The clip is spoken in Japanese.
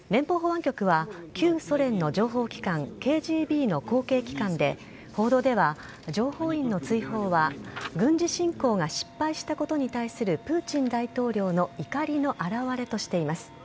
連邦保安局は旧ソ連の情報機関ＫＧＢの後継機関で報道では情報員の追放は軍事侵攻が失敗したことに対するプーチン大統領の怒りの表れとしています。